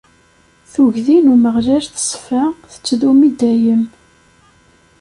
Tuggdi n Umeɣlal teṣfa, tettdum i dayem.